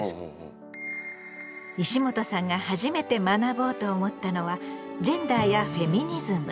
石本さんが初めて学ぼうと思ったのはジェンダーやフェミニズム。